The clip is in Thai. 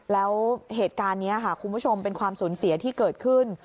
แล้วเหตุการณ์นี้ค่ะคุณผู้ชมเป็นความสูญเสียที่เกิดขึ้น